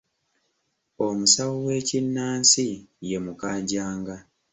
Omusawo w'ekinnansi ye Mukaajanga.